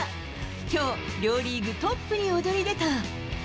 きょう、両リーグトップに躍り出た。